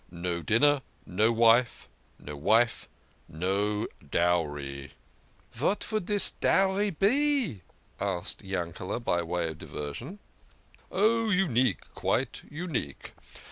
No dinner, no wife. No wife no dowry !" "Vat vould dis dowry be?" asked Yankele", by way of diversion. " Oh, unique quite unique.